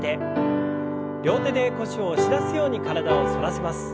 両手で腰を押し出すように体を反らせます。